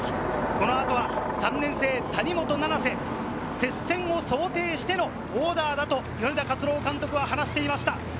この後は３年生・谷本七星、接戦を想定してのオーダーだと米田勝朗監督は話していました。